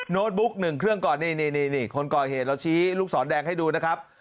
บุ๊กหนึ่งเครื่องก่อนนี่คนก่อเหตุเราชี้ลูกศรแดงให้ดูนะครับ